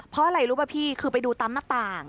เพราะอะไรรู้ป่ะพี่คือไปดูตามหน้าต่าง